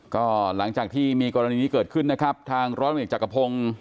ก็หลังจากที่มีกรณีนี้เกิดขึ้นนะครับทางร้อยเอกจักรพงศ์